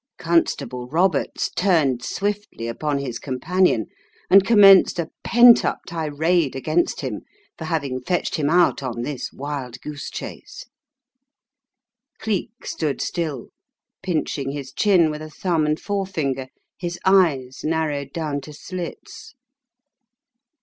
Constable Roberts turned swiftly upon his com panion, and commenced a pent up tirade against him for having fetched him out on this wild goose chase. Cleek stood still, pinching his chin with a thumb and forefinger, his eyes narrowed down to slits.